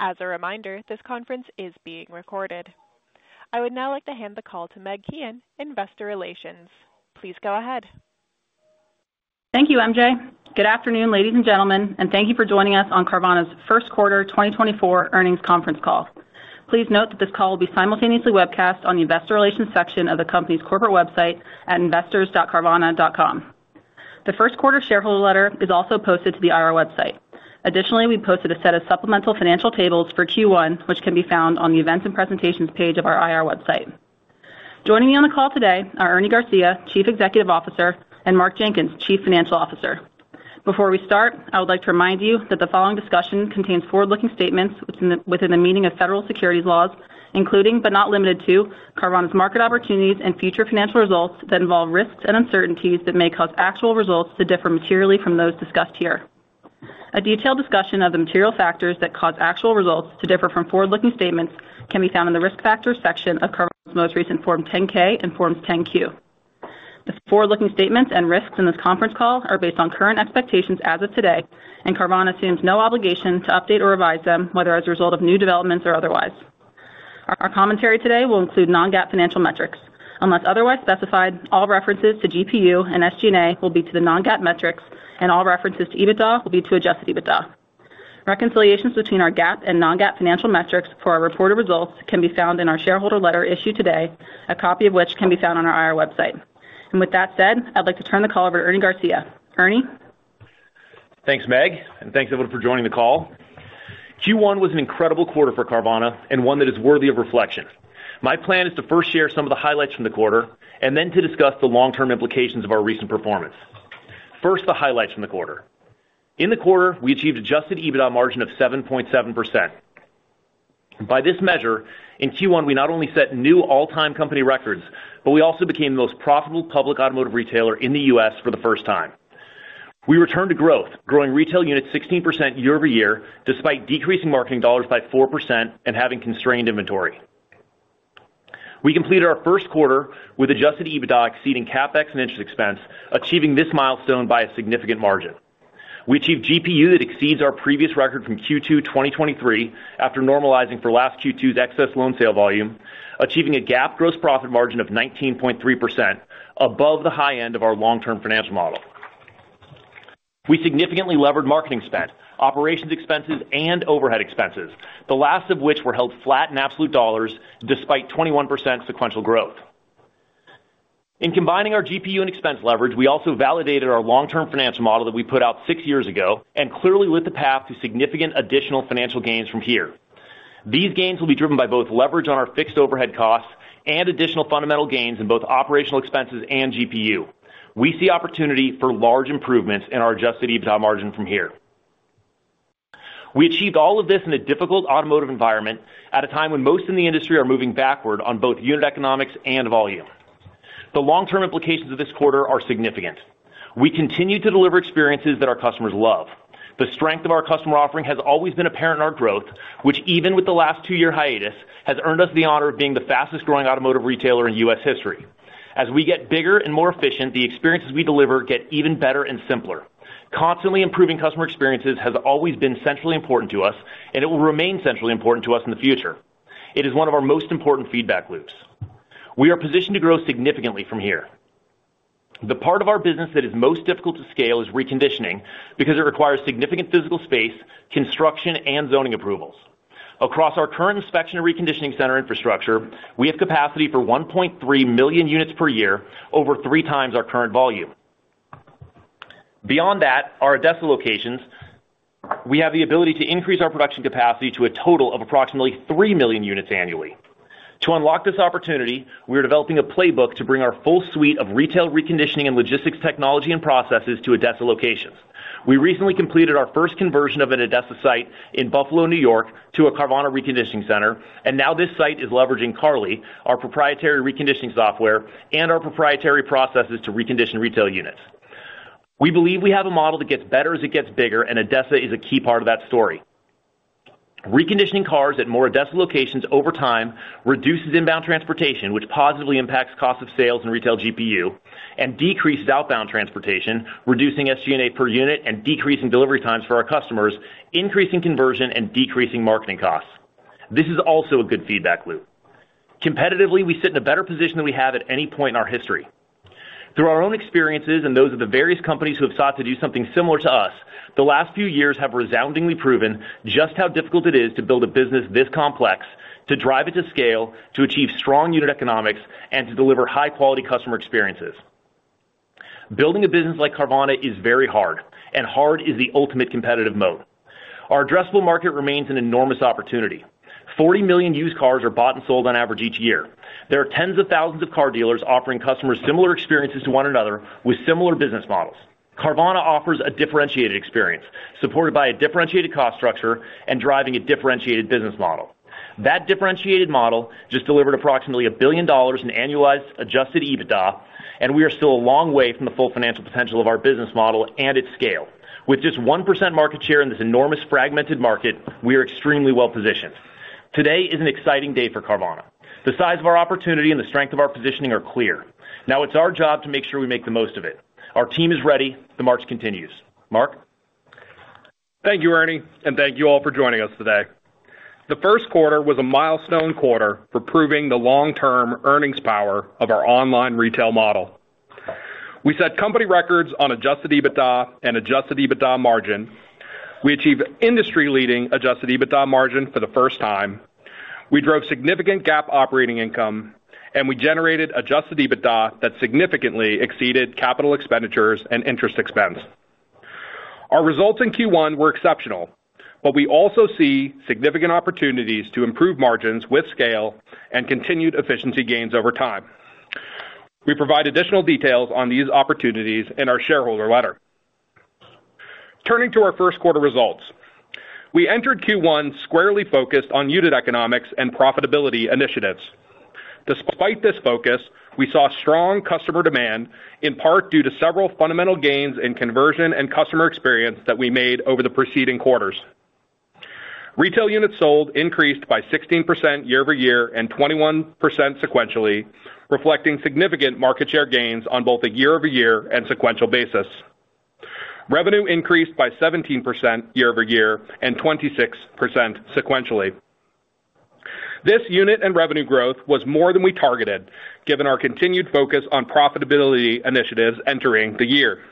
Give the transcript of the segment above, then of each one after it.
As a reminder, this conference is being recorded. I would now like to hand the call to Meg Keehan, Investor Relations. Please go ahead. Thank you, MJ. Good afternoon, ladies and gentlemen, and thank you for joining us on Carvana's first quarter 2024 earnings conference call. Please note that this call will be simultaneously webcast on the investor relations section of the company's corporate website at investors.carvana.com. The first quarter shareholder letter is also posted to the IR website. Additionally, we posted a set of supplemental financial tables for Q1, which can be found on the Events and Presentations page of our IR website. Joining me on the call today are Ernie Garcia, Chief Executive Officer, and Mark Jenkins, Chief Financial Officer. Before we start, I would like to remind you that the following discussion contains forward-looking statements within the meaning of federal securities laws, including, but not limited to, Carvana's market opportunities and future financial results that involve risks and uncertainties that may cause actual results to differ materially from those discussed here. A detailed discussion of the material factors that cause actual results to differ from forward-looking statements can be found in the Risk Factors section of Carvana's most recent Form 10-K and Forms 10-Q. The forward-looking statements and risks in this conference call are based on current expectations as of today, and Carvana assumes no obligation to update or revise them, whether as a result of new developments or otherwise. Our commentary today will include non-GAAP financial metrics. Unless otherwise specified, all references to GPU and SG&A will be to the non-GAAP metrics, and all references to EBITDA will be to Adjusted EBITDA. Reconciliations between our GAAP and non-GAAP financial metrics for our reported results can be found in our shareholder letter issued today, a copy of which can be found on our IR website. With that said, I'd like to turn the call over to Ernie Garcia. Ernie? Thanks, Meg, and thanks, everyone, for joining the call. Q1 was an incredible quarter for Carvana and one that is worthy of reflection. My plan is to first share some of the highlights from the quarter and then to discuss the long-term implications of our recent performance. First, the highlights from the quarter. In the quarter, we achieved Adjusted EBITDA margin of 7.7%. By this measure, in Q1, we not only set new all-time company records, but we also became the most profitable public automotive retailer in the U.S. for the first time. We returned to growth, growing retail units 16% year-over-year, despite decreasing marketing dollars by 4% and having constrained inventory. We completed our first quarter with Adjusted EBITDA exceeding CapEx and interest expense, achieving this milestone by a significant margin. We achieved GPU that exceeds our previous record from Q2 2023 after normalizing for last Q2's excess loan sale volume, achieving a GAAP gross profit margin of 19.3% above the high end of our long-term financial model. We significantly levered marketing spend, operations expenses, and overhead expenses, the last of which were held flat in absolute dollars despite 21% sequential growth. In combining our GPU and expense leverage, we also validated our long-term financial model that we put out six years ago and clearly lit the path to significant additional financial gains from here. These gains will be driven by both leverage on our fixed overhead costs and additional fundamental gains in both operational expenses and GPU. We see opportunity for large improvements in our Adjusted EBITDA margin from here. We achieved all of this in a difficult automotive environment at a time when most in the industry are moving backward on both unit economics and volume. The long-term implications of this quarter are significant. We continue to deliver experiences that our customers love. The strength of our customer offering has always been apparent in our growth, which, even with the last two-year hiatus, has earned us the honor of being the fastest-growing automotive retailer in U.S. history. As we get bigger and more efficient, the experiences we deliver get even better and simpler. Constantly improving customer experiences has always been centrally important to us, and it will remain centrally important to us in the future. It is one of our most important feedback loops. We are positioned to grow significantly from here. The part of our business that is most difficult to scale is reconditioning, because it requires significant physical space, construction, and zoning approvals. Across our current inspection and reconditioning center infrastructure, we have capacity for 1.3 million units per year, over three times our current volume. Beyond that, our ADESA locations, we have the ability to increase our production capacity to a total of approximately 3 million units annually. To unlock this opportunity, we are developing a playbook to bring our full suite of retail, reconditioning, and logistics technology and processes to ADESA locations. We recently completed our first conversion of an ADESA site in Buffalo, New York, to a Carvana reconditioning center, and now this site is leveraging CARLI, our proprietary reconditioning software, and our proprietary processes to recondition retail units. We believe we have a model that gets better as it gets bigger, and ADESA is a key part of that story. Reconditioning cars at more ADESA locations over time reduces inbound transportation, which positively impacts cost of sales and retail GPU, and decreases outbound transportation, reducing SG&A per unit and decreasing delivery times for our customers, increasing conversion and decreasing marketing costs. This is also a good feedback loop. Competitively, we sit in a better position than we have at any point in our history. Through our own experiences and those of the various companies who have sought to do something similar to us, the last few years have resoundingly proven just how difficult it is to build a business this complex, to drive it to scale, to achieve strong unit economics, and to deliver high-quality customer experiences. Building a business like Carvana is very hard, and hard is the ultimate competitive mode. Our addressable market remains an enormous opportunity. 40 million used cars are bought and sold on average each year. There are tens of thousands of car dealers offering customers similar experiences to one another with similar business models. Carvana offers a differentiated experience, supported by a differentiated cost structure and driving a differentiated business model. That differentiated model just delivered approximately $1 billion in annualized Adjusted EBITDA, and we are still a long way from the full financial potential of our business model and its scale. With just 1% market share in this enormous, fragmented market, we are extremely well-positioned. Today is an exciting day for Carvana. The size of our opportunity and the strength of our positioning are clear. Now it's our job to make sure we make the most of it. Our team is ready. The march continues. Mark? Thank you, Ernie, and thank you all for joining us today. The first quarter was a milestone quarter for proving the long-term earnings power of our online retail model. We set company records on Adjusted EBITDA and Adjusted EBITDA Margin. We achieved industry-leading Adjusted EBITDA Margin for the first time. We drove significant GAAP operating income, and we generated Adjusted EBITDA that significantly exceeded capital expenditures and interest expense. Our results in Q1 were exceptional, but we also see significant opportunities to improve margins with scale and continued efficiency gains over time. We provide additional details on these opportunities in our shareholder letter. Turning to our first quarter results, we entered Q1 squarely focused on unit economics and profitability initiatives. Despite this focus, we saw strong customer demand, in part due to several fundamental gains in conversion and customer experience that we made over the preceding quarters. Retail units sold increased by 16% year over year and 21% sequentially, reflecting significant market share gains on both a year-over-year and sequential basis. Revenue increased by 17% year over year and 26% sequentially. This unit and revenue growth was more than we targeted, given our continued focus on profitability initiatives entering the year.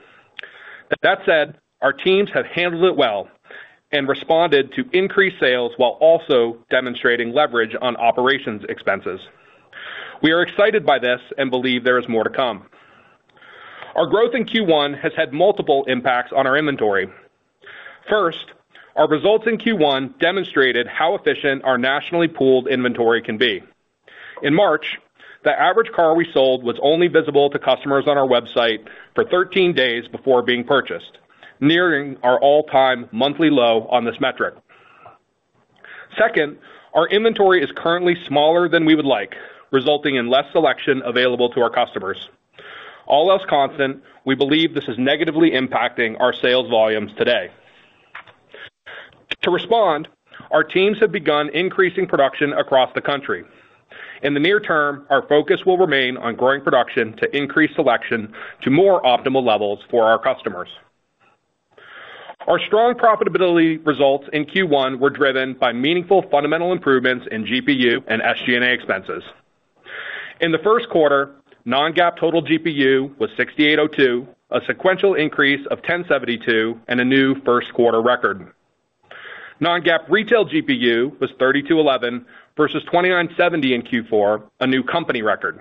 That said, our teams have handled it well and responded to increased sales while also demonstrating leverage on operations expenses. We are excited by this and believe there is more to come. Our growth in Q1 has had multiple impacts on our inventory. First, our results in Q1 demonstrated how efficient our nationally pooled inventory can be. In March, the average car we sold was only visible to customers on our website for 13 days before being purchased, nearing our all-time monthly low on this metric. Second, our inventory is currently smaller than we would like, resulting in less selection available to our customers. All else constant, we believe this is negatively impacting our sales volumes today. To respond, our teams have begun increasing production across the country. In the near term, our focus will remain on growing production to increase selection to more optimal levels for our customers. Our strong profitability results in Q1 were driven by meaningful fundamental improvements in GPU and SG&A expenses. In the first quarter, non-GAAP total GPU was $6,802, a sequential increase of $1,072, and a new first quarter record. Non-GAAP retail GPU was $3,211 versus $2,970 in Q4, a new company record.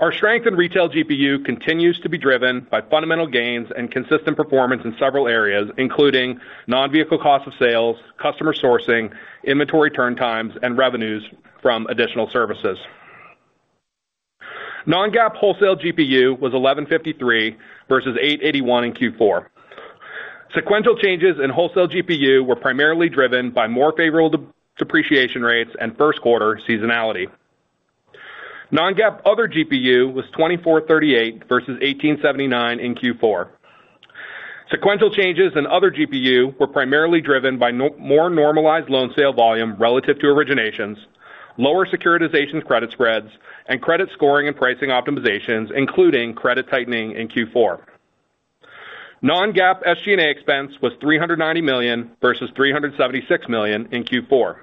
Our strength in retail GPU continues to be driven by fundamental gains and consistent performance in several areas, including non-vehicle cost of sales, customer sourcing, inventory turn times, and revenues from additional services. Non-GAAP wholesale GPU was $1,153 versus $881 in Q4. Sequential changes in wholesale GPU were primarily driven by more favorable depreciation rates and first quarter seasonality. Non-GAAP other GPU was $2,438 versus $1,879 in Q4. Sequential changes in other GPU were primarily driven by more normalized loan sale volume relative to originations, lower securitization credit spreads, and credit scoring and pricing optimizations, including credit tightening in Q4. Non-GAAP SG&A expense was $390 million versus $376 million in Q4.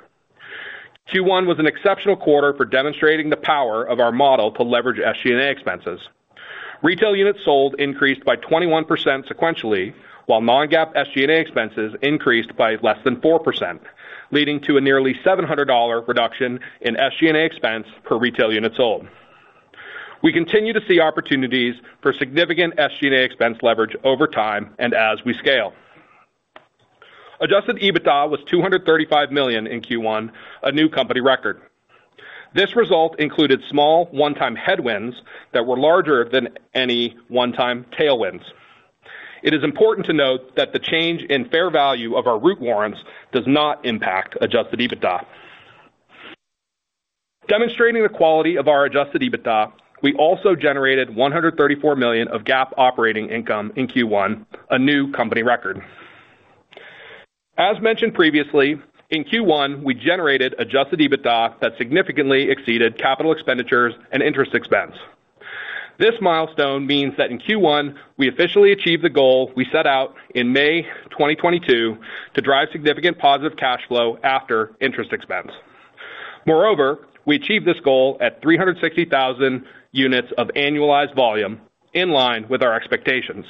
Q1 was an exceptional quarter for demonstrating the power of our model to leverage SG&A expenses. Retail units sold increased by 21% sequentially, while non-GAAP SG&A expenses increased by less than 4%, leading to a nearly $700 reduction in SG&A expense per retail unit sold. We continue to see opportunities for significant SG&A expense leverage over time and as we scale. Adjusted EBITDA was $235 million in Q1, a new company record. This result included small one-time headwinds that were larger than any one-time tailwinds. It is important to note that the change in fair value of our Root warrants does not impact Adjusted EBITDA. Demonstrating the quality of our Adjusted EBITDA, we also generated $134 million of GAAP operating income in Q1, a new company record. As mentioned previously, in Q1, we generated Adjusted EBITDA that significantly exceeded capital expenditures and interest expense. This milestone means that in Q1, we officially achieved the goal we set out in May 2022 to drive significant positive cash flow after interest expense. Moreover, we achieved this goal at 360,000 units of annualized volume, in line with our expectations.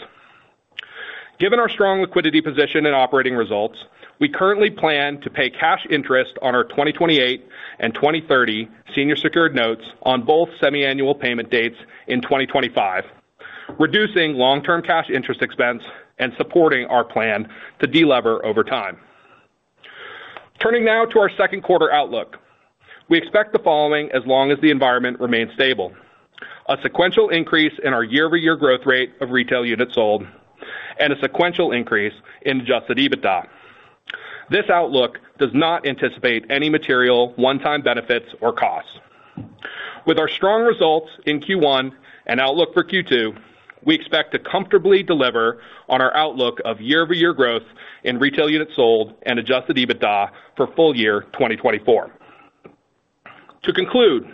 Given our strong liquidity position and operating results, we currently plan to pay cash interest on our 2028 and 2030 senior secured notes on both semiannual payment dates in 2025, reducing long-term cash interest expense and supporting our plan to delever over time. Turning now to our second quarter outlook. We expect the following as long as the environment remains stable: a sequential increase in our year-over-year growth rate of retail units sold, and a sequential increase in Adjusted EBITDA. This outlook does not anticipate any material one-time benefits or costs. ...With our strong results in Q1 and outlook for Q2, we expect to comfortably deliver on our outlook of year-over-year growth in retail units sold and Adjusted EBITDA for full year 2024. To conclude,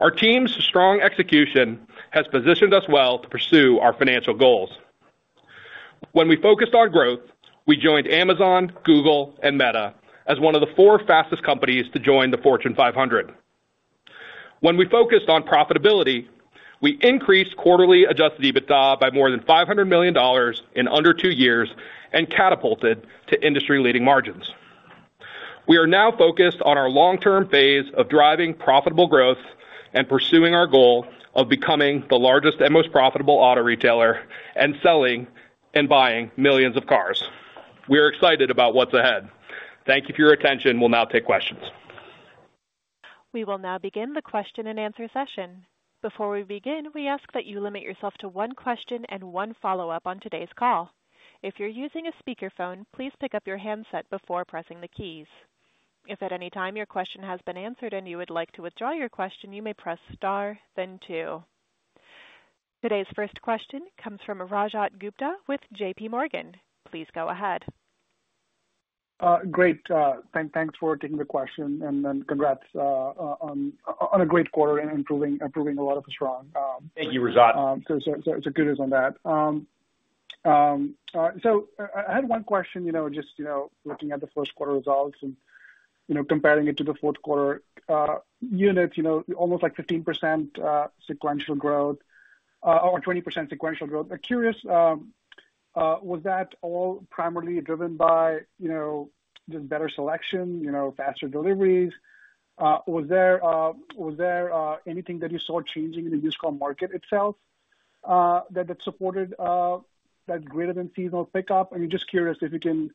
our team's strong execution has positioned us well to pursue our financial goals. When we focused on growth, we joined Amazon, Google, and Meta as one of the four fastest companies to join the Fortune 500. When we focused on profitability, we increased quarterly Adjusted EBITDA by more than $500 million in under two years and catapulted to industry-leading margins. We are now focused on our long-term phase of driving profitable growth and pursuing our goal of becoming the largest and most profitable auto retailer, and selling and buying millions of cars. We are excited about what's ahead. Thank you for your attention. We'll now take questions. We will now begin the question and answer session. Before we begin, we ask that you limit yourself to one question and one follow-up on today's call. If you're using a speakerphone, please pick up your handset before pressing the keys. If at any time your question has been answered and you would like to withdraw your question, you may press star, then two. Today's first question comes from Rajat Gupta with JPMorgan. Please go ahead. Great. Thanks for taking the question, and then congrats on a great quarter and proving a lot of us strong. Thank you, Rajat. Kudos on that. So I had one question, you know, just, you know, looking at the first quarter results and, you know, comparing it to the fourth quarter, units, you know, almost like 15% sequential growth, or 20% sequential growth. I'm curious, was that all primarily driven by, you know, just better selection, you know, faster deliveries? Was there anything that you saw changing in the used car market itself, that supported that greater than seasonal pickup? I'm just curious if you can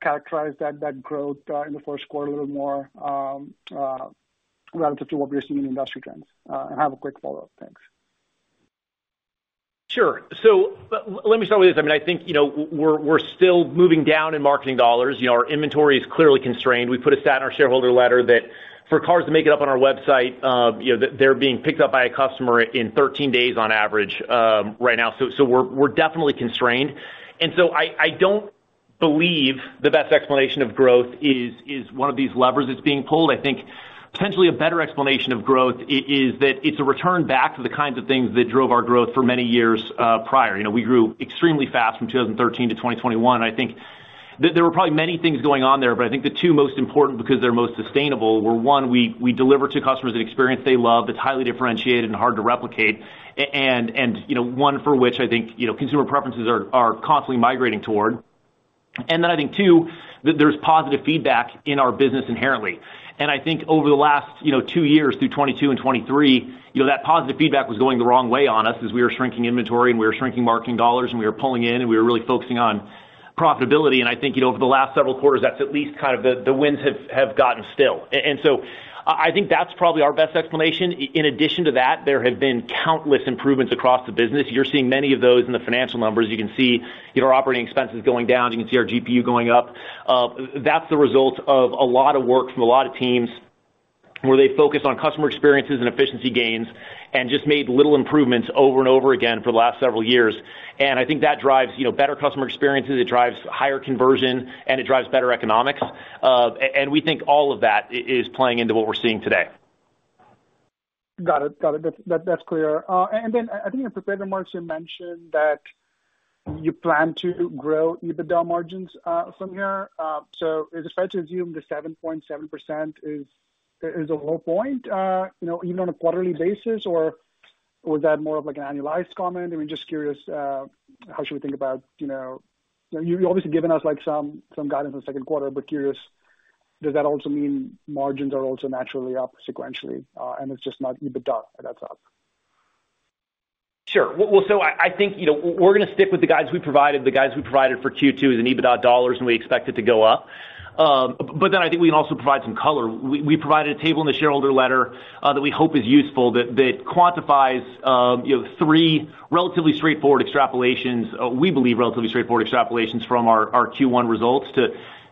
characterize that growth in the first quarter a little more, relative to what we're seeing in industry trends. I have a quick follow-up. Thanks. Sure. So let me start with this. I mean, I think, you know, we're, we're still moving down in marketing dollars. You know, our inventory is clearly constrained. We put a stat in our shareholder letter that for cars to make it up on our website, you know, they're being picked up by a customer in 13 days on average, right now. So we're, we're definitely constrained. So I don't believe the best explanation of growth is one of these levers that's being pulled. I think potentially a better explanation of growth is that it's a return back to the kinds of things that drove our growth for many years prior. You know, we grew extremely fast from 2013 to 2021. I think that there were probably many things going on there, but I think the two most important, because they're most sustainable, were, one, we deliver to customers an experience they love, that's highly differentiated and hard to replicate, and, you know, one for which I think, you know, consumer preferences are constantly migrating toward. And then I think, two, that there's positive feedback in our business inherently. And I think over the last, you know, two years, through 2022 and 2023, you know, that positive feedback was going the wrong way on us as we were shrinking inventory and we were shrinking marketing dollars, and we were pulling in, and we were really focusing on profitability. And I think, you know, over the last several quarters, that's at least kind of the winds have gotten still. And so I think that's probably our best explanation. In addition to that, there have been countless improvements across the business. You're seeing many of those in the financial numbers. You can see, you know, our operating expenses going down, you can see our GPU going up. That's the result of a lot of work from a lot of teams, where they focused on customer experiences and efficiency gains, and just made little improvements over and over again for the last several years. And I think that drives, you know, better customer experiences, it drives higher conversion, and it drives better economics. And we think all of that is playing into what we're seeing today. Got it. Got it. That's clear. And then I think in prepared remarks, you mentioned that you plan to grow EBITDA margins from here. So is it fair to assume the 7.7% is a low point, you know, even on a quarterly basis? Or was that more of, like, an annualized comment? I mean, just curious, how should we think about... You know, you've obviously given us, like, some guidance on the second quarter, but curious, does that also mean margins are also naturally up sequentially, and it's just not EBITDA that's up? Sure. Well, well, so I, I think, you know, we're gonna stick with the guidance we provided. The guidance we provided for Q2 is in EBITDA dollars, and we expect it to go up. But then I think we can also provide some color. We, we provided a table in the shareholder letter that we hope is useful, that, that quantifies, you know, three relatively straightforward extrapolations we believe, relatively straightforward extrapolations from our, our Q1 results, to,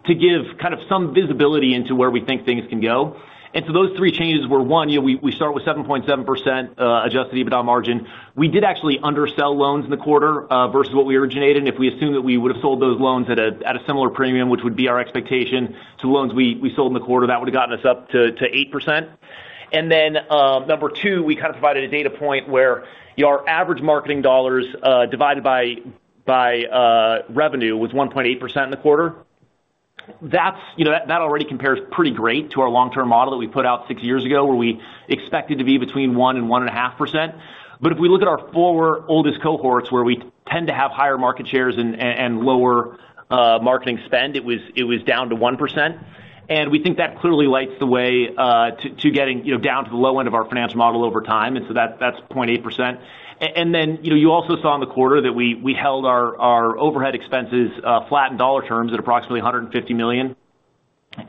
to give kind of some visibility into where we think things can go. And so those three changes were, one, you know, we, we start with 7.7% Adjusted EBITDA margin. We did actually undersell loans in the quarter versus what we originated. If we assume that we would have sold those loans at a similar premium, which would be our expectation, to loans we sold in the quarter, that would have gotten us up to 8%. And then, number two, we kind of provided a data point where, you know, our average marketing dollars divided by revenue was 1.8% in the quarter. That's, you know, that already compares pretty great to our long-term model that we put out six years ago, where we expected to be between 1% and 1.5%. But if we look at our four oldest cohorts, where we tend to have higher market shares and lower marketing spend, it was down to 1%. And we think that clearly lights the way to getting, you know, down to the low end of our financial model over time. And so that's 0.8%. And then, you know, you also saw in the quarter that we held our overhead expenses flat in dollar terms at approximately $150 million,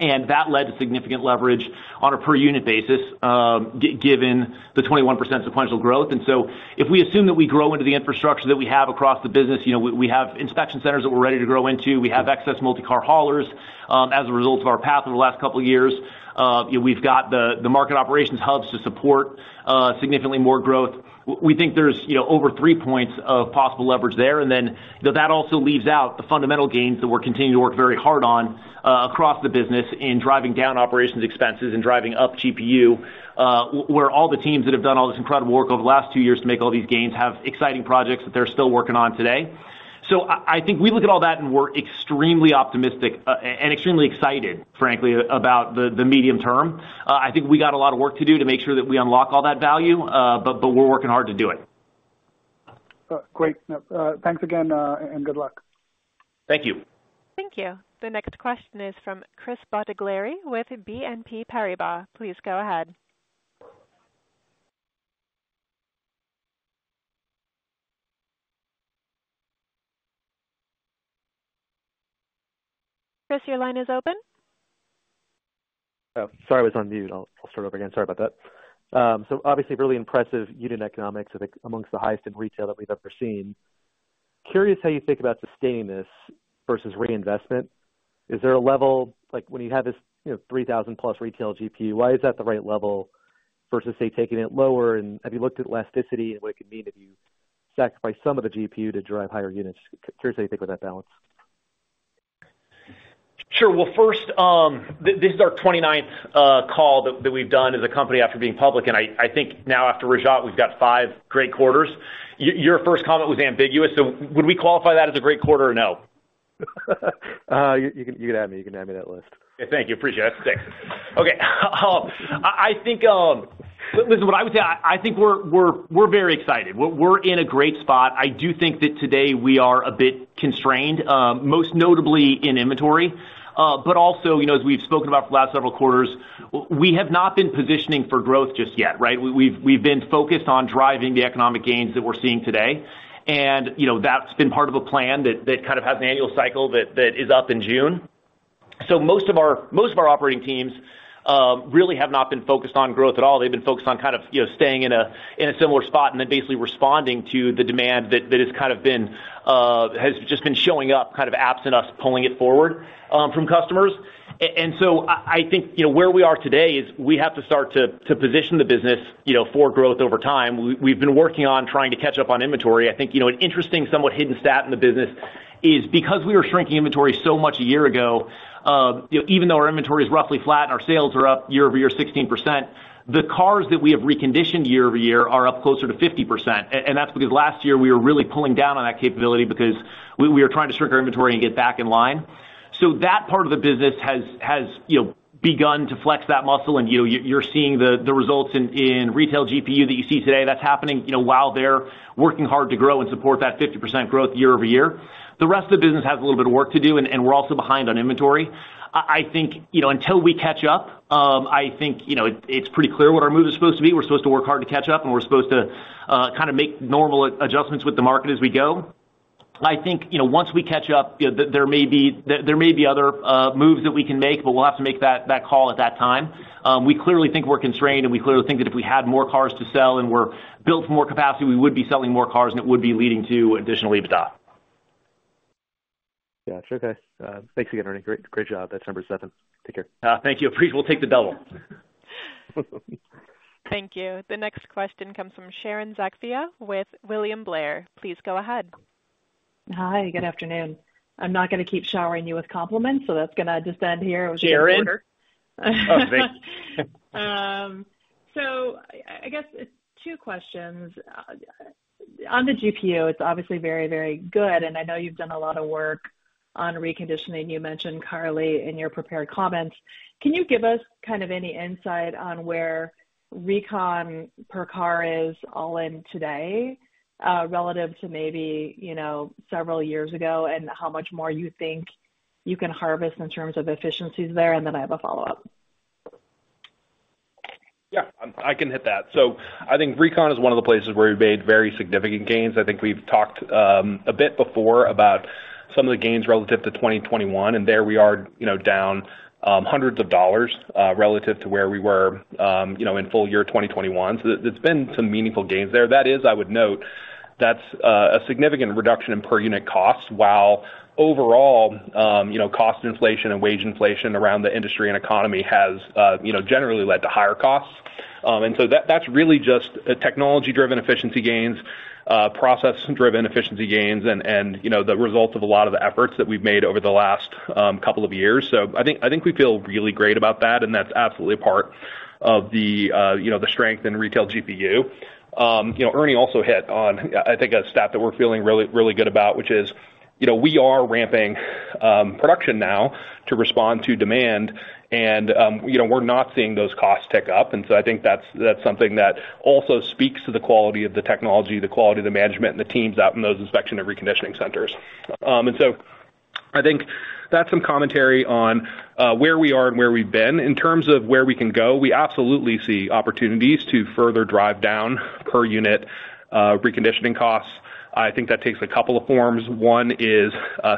and that led to significant leverage on a per unit basis, given the 21% sequential growth. And so if we assume that we grow into the infrastructure that we have across the business, you know, we have inspection centers that we're ready to grow into. We have excess multi-car haulers, as a result of our path over the last couple of years. We've got the market operations hubs to support significantly more growth. We think there's, you know, over three points of possible leverage there, and then, you know, that also leaves out the fundamental gains that we're continuing to work very hard on across the business in driving down operations expenses and driving up GPU, where all the teams that have done all this incredible work over the last two years to make all these gains have exciting projects that they're still working on today. So I think we look at all that, and we're extremely optimistic and extremely excited, frankly, about the medium term. I think we got a lot of work to do to make sure that we unlock all that value, but we're working hard to do it. Great. Thanks again, and good luck. Thank you. Thank you. The next question is from Chris Bottiglieri, with BNP Paribas. Please go ahead. Chris, your line is open. Oh, sorry, I was on mute. I'll, I'll start over again. Sorry about that. So obviously, really impressive unit economics, I think, among the highest in retail that we've ever seen. Curious how you think about sustaining this versus reinvestment. Is there a level, like, when you have this, you know, 3,000+ retail GPU, why is that the right level versus, say, taking it lower? And have you looked at elasticity and what it could mean if you sacrifice some of the GPU to drive higher units? Curious how you think about that balance. Sure. Well, first, this is our 29th call that we've done as a company after being public, and I think now after Rajat, we've got 5 great quarters. Your first comment was ambiguous, so would we qualify that as a great quarter or no? You can add me. You can add me to that list. Thank you. Appreciate it. Thanks. Okay, I think, listen, what I would say, I think we're very excited. We're in a great spot. I do think that today we are a bit constrained, most notably in inventory. But also, you know, as we've spoken about for the last several quarters, we have not been positioning for growth just yet, right? We've been focused on driving the economic gains that we're seeing today. And, you know, that's been part of a plan that kind of has an annual cycle that is up in June. So most of our operating teams really have not been focused on growth at all. They've been focused on kind of, you know, staying in a similar spot and then basically responding to the demand that has kind of been has just been showing up, kind of absent us pulling it forward from customers. And so I think, you know, where we are today is we have to start to position the business, you know, for growth over time. We've been working on trying to catch up on inventory. I think, you know, an interesting, somewhat hidden stat in the business is because we were shrinking inventory so much a year ago, you know, even though our inventory is roughly flat and our sales are up year over year, 16%, the cars that we have reconditioned year over year are up closer to 50%. And that's because last year we were really pulling down on that capability because we were trying to shrink our inventory and get back in line. So that part of the business has, you know, begun to flex that muscle, and you're seeing the results in retail GPU that you see today. That's happening, you know, while they're working hard to grow and support that 50% growth year-over-year. The rest of the business has a little bit of work to do, and we're also behind on inventory. I think, you know, until we catch up, I think, you know, it's pretty clear what our move is supposed to be. We're supposed to work hard to catch up, and we're supposed to kind of make normal adjustments with the market as we go. I think, you know, once we catch up, you know, there may be other moves that we can make, but we'll have to make that call at that time. We clearly think we're constrained, and we clearly think that if we had more cars to sell and were built for more capacity, we would be selling more cars, and it would be leading to additional EBITDA. Gotcha. Okay, thanks again, Ernie. Great, great job. That's number seven. Take care. Thank you. We'll take the double. Thank you. The next question comes from Sharon Zackfia with William Blair. Please go ahead. Hi, good afternoon. I'm not gonna keep showering you with compliments, so that's gonna just end here with- Sharon? So I guess it's two questions. On the GPU, it's obviously very, very good, and I know you've done a lot of work on reconditioning. You mentioned CARLI in your prepared comments. Can you give us kind of any insight on where recon per car is all in today, relative to maybe, you know, several years ago? And how much more you think you can harvest in terms of efficiencies there? And then I have a follow-up. Yeah, I can hit that. So I think recon is one of the places where we've made very significant gains. I think we've talked a bit before about some of the gains relative to 2021, and there we are, you know, down hundreds of dollars relative to where we were, you know, in full year 2021. So there's been some meaningful gains there. That is, I would note, that's a significant reduction in per unit costs, while overall, you know, cost inflation and wage inflation around the industry and economy has, you know, generally led to higher costs. And so that's really just a technology-driven efficiency gains, process-driven efficiency gains, and, you know, the result of a lot of the efforts that we've made over the last couple of years. So I think, I think we feel really great about that, and that's absolutely a part of the, you know, the strength in retail GPU. You know, Ernie also hit on, I think, a stat that we're feeling really, really good about, which is, you know, we are ramping production now to respond to demand, and, you know, we're not seeing those costs tick up. And so I think that's, that's something that also speaks to the quality of the technology, the quality of the management, and the teams out in those inspection and reconditioning centers. And so I think that's some commentary on, where we are and where we've been. In terms of where we can go, we absolutely see opportunities to further drive down per unit reconditioning costs. I think that takes a couple of forms. One is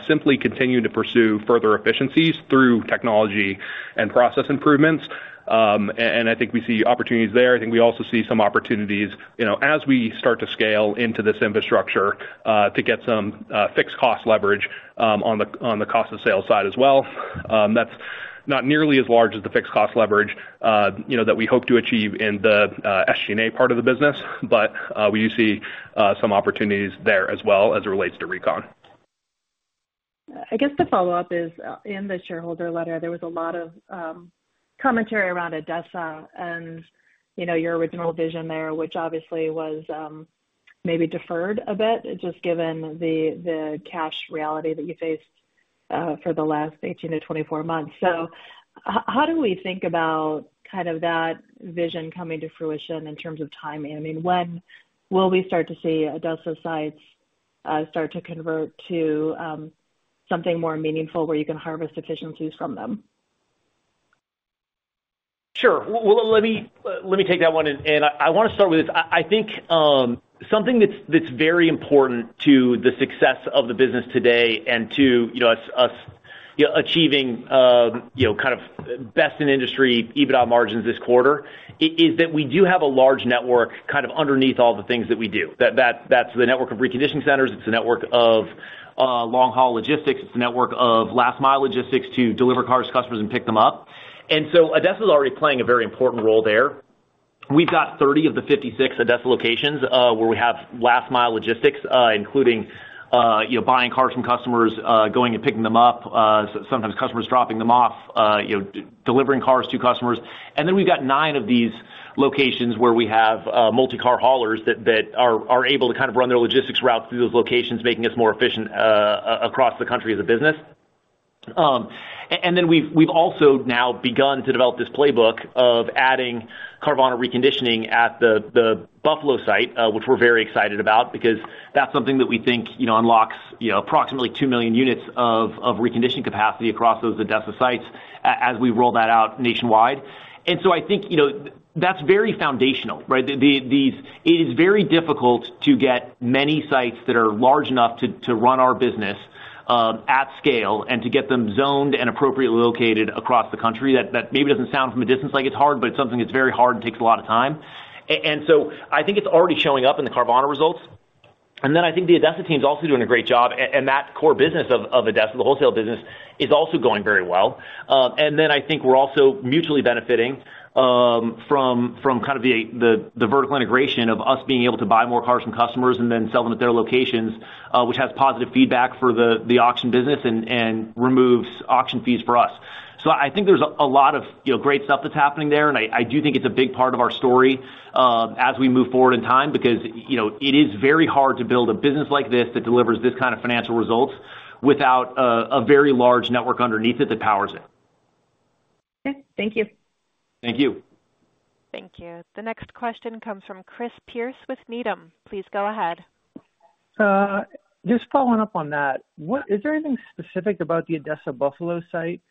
simply continuing to pursue further efficiencies through technology and process improvements. I think we see opportunities there. I think we also see some opportunities, you know, as we start to scale into this infrastructure, to get some fixed cost leverage, on the cost of sales side as well. That's not nearly as large as the fixed cost leverage, you know, that we hope to achieve in the SG&A part of the business, but we do see some opportunities there as well as it relates to recon. I guess the follow-up is, in the shareholder letter, there was a lot of, commentary around ADESA and, you know, your original vision there, which obviously was, maybe deferred a bit, just given the cash reality that you faced, for the last 18-24 months. So how do we think about kind of that vision coming to fruition in terms of timing? I mean, when will we start to see ADESA sites, start to convert to, something more meaningful where you can harvest efficiencies from them? Sure. Well, let me take that one, and I want to start with this. I think something that's very important to the success of the business today and to, you know, us achieving, you know, kind of best in industry EBITDA margins this quarter is that we do have a large network kind of underneath all the things that we do. That's the network of reconditioning centers, it's the network of long-haul logistics, it's the network of last mile logistics to deliver cars to customers and pick them up. And so ADESA is already playing a very important role there. We've got 30 of the 56 ADESA locations where we have last mile logistics, including, you know, buying cars from customers, going and picking them up, sometimes customers dropping them off, you know, delivering cars to customers. And then we've got nine of these locations where we have multi-car haulers that are able to kind of run their logistics routes through those locations, making us more efficient across the country as a business. And then we've also now begun to develop this playbook of adding Carvana reconditioning at the Buffalo site, which we're very excited about because that's something that we think, you know, unlocks, you know, approximately 2 million units of reconditioning capacity across those ADESA sites as we roll that out nationwide. And so I think, you know, that's very foundational, right? These. It is very difficult to get many sites that are large enough to run our business at scale and to get them zoned and appropriately located across the country. That maybe doesn't sound from a distance like it's hard, but it's something that's very hard and takes a lot of time. And so I think it's already showing up in the Carvana results. And then I think the ADESA team is also doing a great job, and that core business of ADESA, the wholesale business, is also going very well. And then I think we're also mutually benefiting from kind of the vertical integration of us being able to buy more cars from customers and then sell them at their locations, which has positive feedback for the auction business and removes auction fees for us. So I think there's a lot of, you know, great stuff that's happening there, and I do think it's a big part of our story as we move forward in time, because, you know, it is very hard to build a business like this that delivers this kind of financial results without a very large network underneath it that powers it. Okay. Thank you. Thank you. Thank you. The next question comes from Chris Pierce with Needham. Please go ahead. Just following up on that, is there anything specific about the ADESA Buffalo site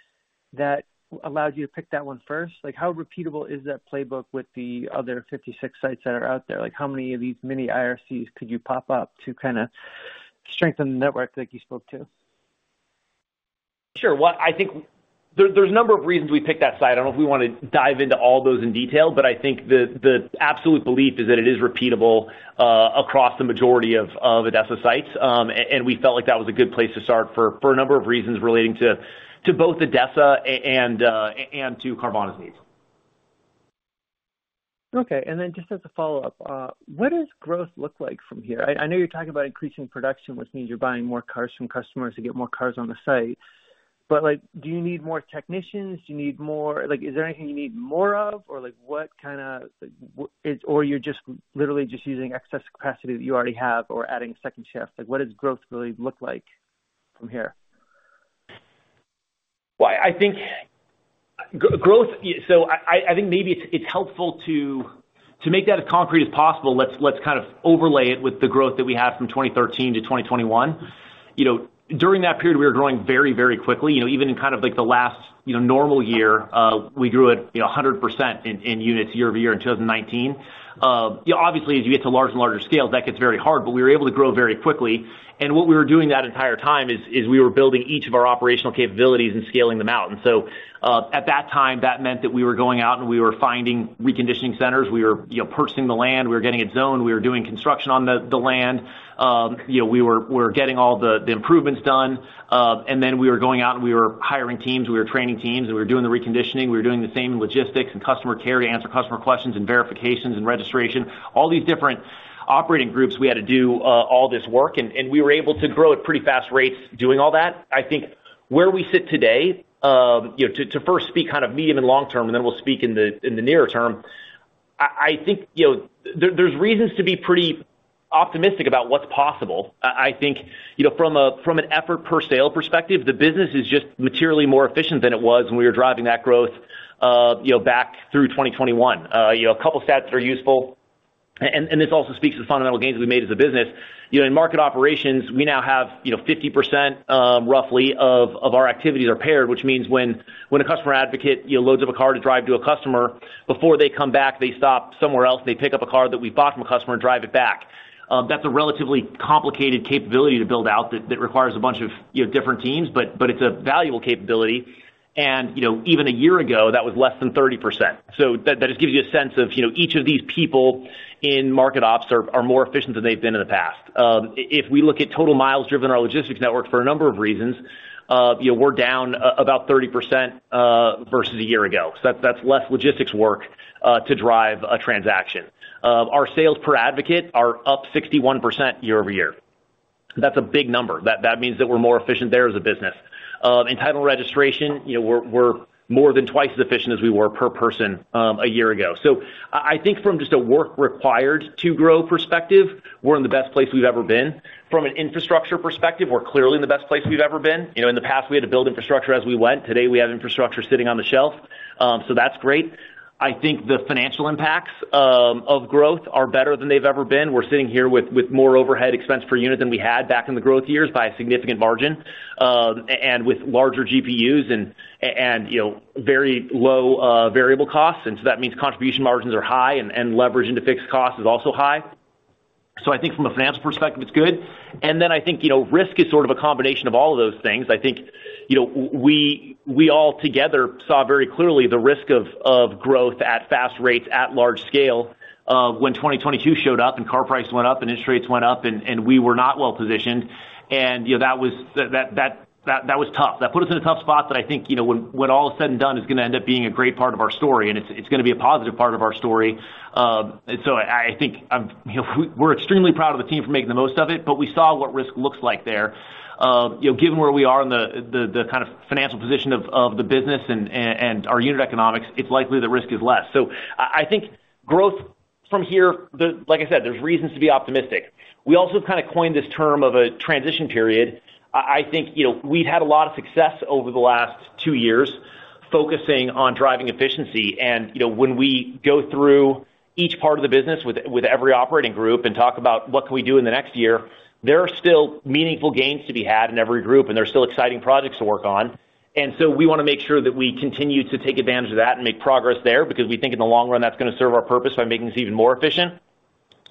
that allowed you to pick that one first? Like, how repeatable is that playbook with the other 56 sites that are out there? Like, how many of these mini IRCs could you pop up to kinda strengthen the network like you spoke to? Sure. Well, I think there's a number of reasons we picked that site. I don't know if we wanna dive into all those in detail, but I think the absolute belief is that it is repeatable across the majority of ADESA sites. And we felt like that was a good place to start for a number of reasons relating to both ADESA and to Carvana's needs. Okay, and then just as a follow-up, what does growth look like from here? I know you're talking about increasing production, which means you're buying more cars from customers to get more cars on the site. But, like, do you need more technicians? Do you need more... Like, is there anything you need more of? Or like, what kinda or you're just literally just using excess capacity that you already have or adding a second shift? Like, what does growth really look like from here? Well, I think growth. So I think maybe it's helpful to make that as concrete as possible. Let's kind of overlay it with the growth that we have from 2013 to 2021. You know, during that period, we were growing very, very quickly. You know, even in kind of like the last, you know, normal year, we grew at 100% in units year-over-year in 2019. Yeah, obviously, as you get to larger and larger scales, that gets very hard, but we were able to grow very quickly. And what we were doing that entire time is we were building each of our operational capabilities and scaling them out. And so, at that time, that meant that we were going out, and we were finding reconditioning centers. We were, you know, purchasing the land, we were getting it zoned, we were doing construction on the, the land. You know, we were getting all the, the improvements done, and then we were going out and we were hiring teams, we were training teams, and we were doing the reconditioning. We were doing the same in logistics and customer care to answer customer questions and verifications and registration. All these different operating groups, we had to do all this work, and we were able to grow at pretty fast rates doing all that. I think where we sit today, you know, to first speak kind of medium and long term, and then we'll speak in the nearer term, I think, you know, there's reasons to be pretty optimistic about what's possible. I think, you know, from an effort per sale perspective, the business is just materially more efficient than it was when we were driving that growth, you know, back through 2021. You know, a couple stats that are useful, and this also speaks to the fundamental gains we made as a business. You know, in market operations, we now have, you know, 50%, roughly, of our activities are paired, which means when a customer advocate, you know, loads up a car to drive to a customer, before they come back, they stop somewhere else, and they pick up a car that we bought from a customer and drive it back. That's a relatively complicated capability to build out that requires a bunch of, you know, different teams, but it's a valuable capability. You know, even a year ago, that was less than 30%. So that just gives you a sense of, you know, each of these people in market ops are more efficient than they've been in the past. If we look at total miles driven in our logistics network for a number of reasons, you know, we're down about 30% versus a year ago. So that's less logistics work to drive a transaction. Our sales per advocate are up 61% year-over-year. That's a big number. That means that we're more efficient there as a business. In title registration, you know, we're more than twice as efficient as we were per person a year ago. So I think from just a work required to grow perspective, we're in the best place we've ever been. From an infrastructure perspective, we're clearly in the best place we've ever been. You know, in the past, we had to build infrastructure as we went. Today, we have infrastructure sitting on the shelf. So that's great. I think the financial impacts of growth are better than they've ever been. We're sitting here with more overhead expense per unit than we had back in the growth years by a significant margin, and with larger GPUs and, and you know, very low variable costs. And so that means contribution margins are high, and leverage into fixed costs is also high. So I think from a financial perspective, it's good. I think, you know, risk is sort of a combination of all of those things. I think, you know, we all together saw very clearly the risk of growth at fast rates, at large scale, when 2022 showed up and car prices went up, and interest rates went up, and we were not well positioned. You know, that was tough. That put us in a tough spot, but I think, you know, when all is said and done, is gonna end up being a great part of our story, and it's gonna be a positive part of our story. I think, you know, we're extremely proud of the team for making the most of it, but we saw what risk looks like there. You know, given where we are in the kind of financial position of the business and our unit economics, it's likely the risk is less. So I think growth from here... Like I said, there's reasons to be optimistic. We also kind of coined this term of a transition period. I think, you know, we've had a lot of success over the last two years, focusing on driving efficiency. And, you know, when we go through each part of the business with every operating group and talk about what can we do in the next year, there are still meaningful gains to be had in every group, and there are still exciting projects to work on. And so we want to make sure that we continue to take advantage of that and make progress there, because we think in the long run, that's going to serve our purpose by making us even more efficient.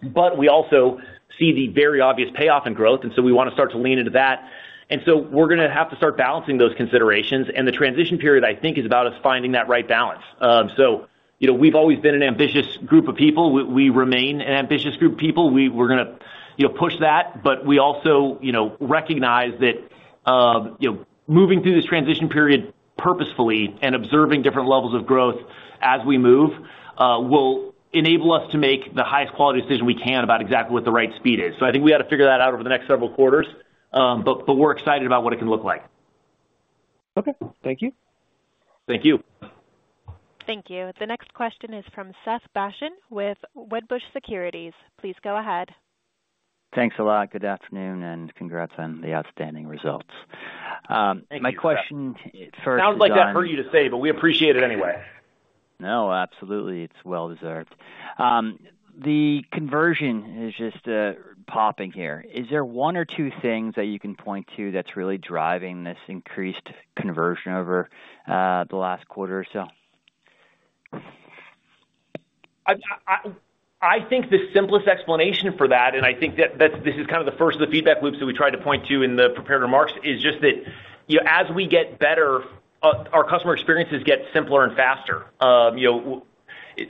But we also see the very obvious payoff in growth, and so we want to start to lean into that. And so we're going to have to start balancing those considerations, and the transition period, I think, is about us finding that right balance. So, you know, we've always been an ambitious group of people. We remain an ambitious group of people. We're gonna, you know, push that, but we also, you know, recognize that, you know, moving through this transition period purposefully and observing different levels of growth as we move, will enable us to make the highest quality decision we can about exactly what the right speed is. So I think we got to figure that out over the next several quarters, but, but we're excited about what it can look like. Okay, thank you. Thank you. Thank you. The next question is from Seth Basham with Wedbush Securities. Please go ahead. Thanks a lot. Good afternoon, and congrats on the outstanding results. Thank you, Seth. My question first is- Sounds like that for you to say, but we appreciate it anyway. No, absolutely. It's well deserved. The conversion is just popping here. Is there one or two things that you can point to that's really driving this increased conversion over the last quarter or so? I think the simplest explanation for that, and I think that this is kind of the first of the feedback loops that we tried to point to in the prepared remarks, is just that, you know, as we get better, our customer experiences get simpler and faster. You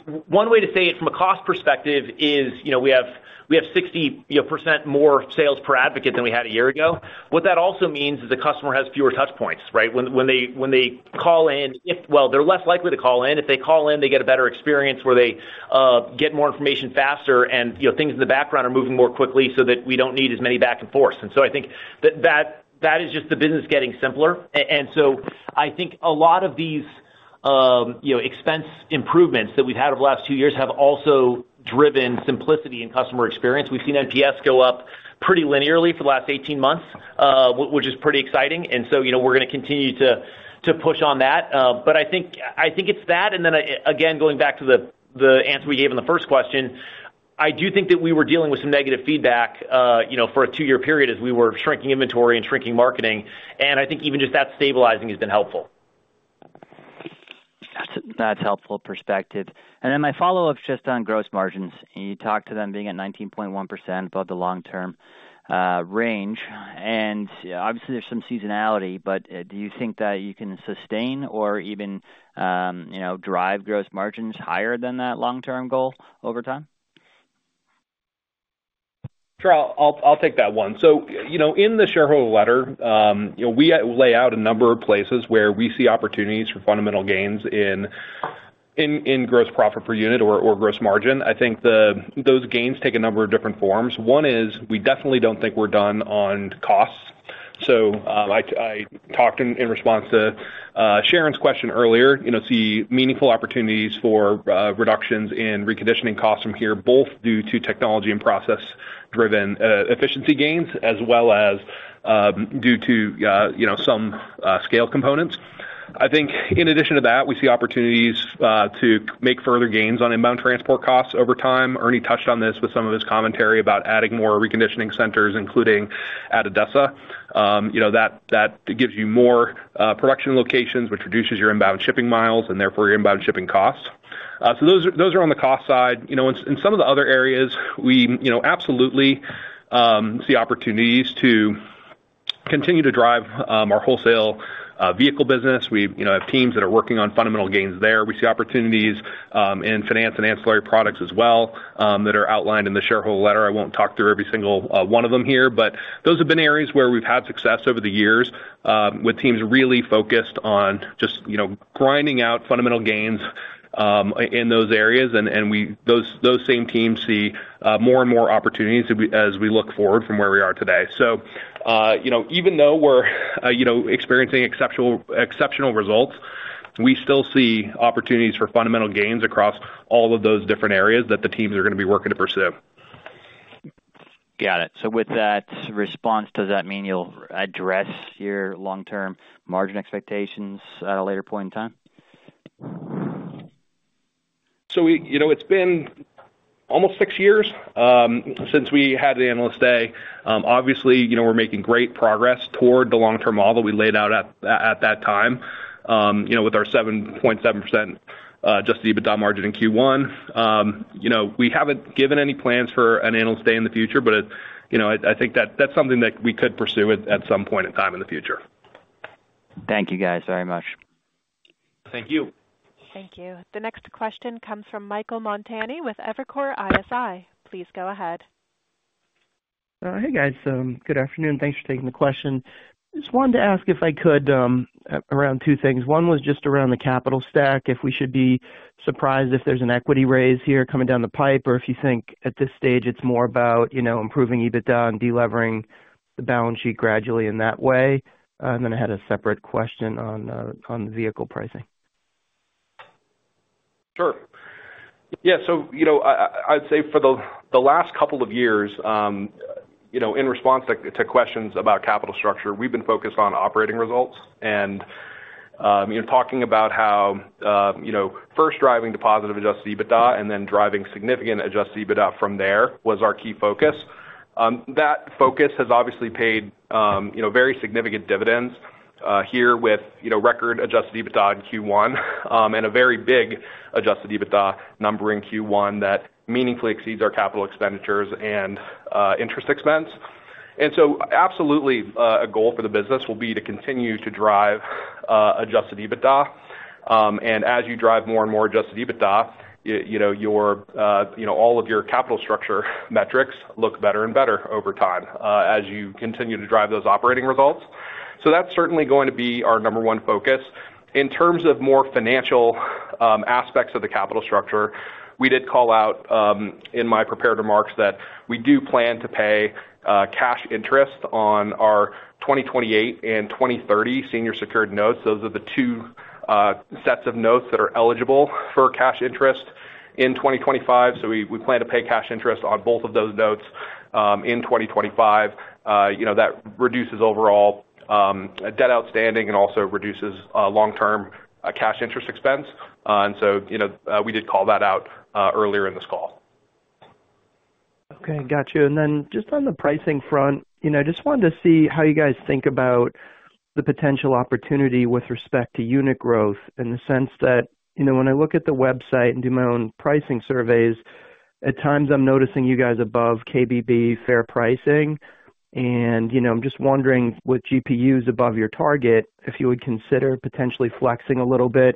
know, one way to say it from a cost perspective is, you know, we have 60% more sales per advocate than we had a year ago. What that also means is the customer has fewer touch points, right? When they call in, if... Well, they're less likely to call in. If they call in, they get a better experience where they get more information faster, and, you know, things in the background are moving more quickly so that we don't need as many back and forth. And so I think that is just the business getting simpler. And so I think a lot of these, you know, expense improvements that we've had over the last two years have also driven simplicity and customer experience. We've seen NPS go up pretty linearly for the last 18 months, which is pretty exciting. And so, you know, we're going to continue to push on that. But I think it's that, and then again, going back to the answer we gave in the first question, I do think that we were dealing with some negative feedback, you know, for a two-year period as we were shrinking inventory and shrinking marketing, and I think even just that stabilizing has been helpful. That's, that's helpful perspective. And then my follow-up is just on gross margins. You talked to them being at 19.1% above the long-term range, and obviously, there's some seasonality, but do you think that you can sustain or even, you know, drive gross margins higher than that long-term goal over time? Sure. I'll take that one. So, you know, in the shareholder letter, you know, we lay out a number of places where we see opportunities for fundamental gains in gross profit per unit or gross margin. I think those gains take a number of different forms. One is, we definitely don't think we're done on costs. So, I talked in response to Sharon's question earlier, you know, see meaningful opportunities for reductions in reconditioning costs from here, both due to technology and process-driven efficiency gains, as well as due to you know, some scale components. I think in addition to that, we see opportunities to make further gains on inbound transport costs over time. Ernie touched on this with some of his commentary about adding more reconditioning centers, including at ADESA. You know, that gives you more production locations, which reduces your inbound shipping miles and therefore your inbound shipping costs. So those, those are on the cost side. You know, in some of the other areas, we, you know, absolutely see opportunities to continue to drive our wholesale vehicle business. We, you know, have teams that are working on fundamental gains there. We see opportunities in finance and ancillary products as well, that are outlined in the shareholder letter. I won't talk through every single one of them here, but those have been areas where we've had success over the years, with teams really focused on just, you know, grinding out fundamental gains in those areas. Those same teams see more and more opportunities as we look forward from where we are today. So, you know, even though we're, you know, experiencing exceptional results, we still see opportunities for fundamental gains across all of those different areas that the teams are going to be working to pursue. Got it. So with that response, does that mean you'll address your long-term margin expectations at a later point in time? You know, it's been almost six years since we had the Analyst Day. Obviously, you know, we're making great progress toward the long-term model we laid out at that time, you know, with our 7.7% Adjusted EBITDA margin in Q1. You know, we haven't given any plans for an Analyst Day in the future, but, you know, I think that's something that we could pursue at some point in time in the future. Thank you, guys, very much. Thank you. Thank you. The next question comes from Michael Montani with Evercore ISI. Please go ahead. Hey, guys. Good afternoon. Thanks for taking the question. Just wanted to ask, if I could, around two things. One was just around the capital stack, if we should be surprised if there's an equity raise here coming down the pipe, or if you think at this stage it's more about, you know, improving EBITDA and delevering the balance sheet gradually in that way. And then I had a separate question on, on the vehicle pricing. Sure. Yeah, so, you know, I'd say for the last couple of years, you know, in response to questions about capital structure, we've been focused on operating results and, you know, talking about how, you know, first driving to positive Adjusted EBITDA and then driving significant Adjusted EBITDA from there was our key focus. That focus has obviously paid, you know, very significant dividends, here with, you know, record Adjusted EBITDA in Q1, and a very big Adjusted EBITDA number in Q1 that meaningfully exceeds our capital expenditures and interest expense. And so absolutely, a goal for the business will be to continue to drive Adjusted EBITDA. And as you drive more and more adjusted EBITDA, you, you know, your, you know, all of your capital structure metrics look better and better over time, as you continue to drive those operating results. So that's certainly going to be our number one focus. In terms of more financial aspects of the capital structure, we did call out in my prepared remarks that we do plan to pay cash interest on our 2028 and 2030 Senior Secured Notes. Those are the two sets of notes that are eligible for cash interest in 2025. So we plan to pay cash interest on both of those notes in 2025. You know, that reduces overall debt outstanding and also reduces long-term cash interest expense. And so, you know, we did call that out earlier in this call. Okay, got you. And then just on the pricing front, you know, I just wanted to see how you guys think about the potential opportunity with respect to unit growth, in the sense that, you know, when I look at the website and do my own pricing surveys, at times I'm noticing you guys above KBB fair pricing. And, you know, I'm just wondering, with GPUs above your target, if you would consider potentially flexing a little bit